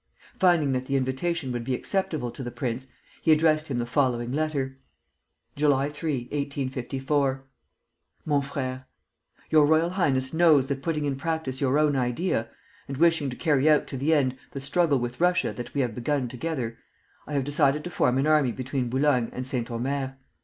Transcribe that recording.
Finding that the invitation would be acceptable to the prince, he addressed him the following letter: July 3, 1854. MON FRÈRE, Your Royal Highness knows that putting in practice your own idea, and wishing to carry out to the end the struggle with Russia that we have begun together, I have decided to form an army between Boulogne and St. Omer.